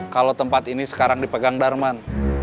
kalau tempat ini sekarang dipegang darman